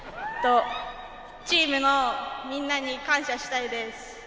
チームのみんなに感謝したいです。